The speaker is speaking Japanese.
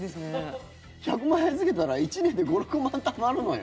１００万円預けてたら１年で５６万たまるのよ？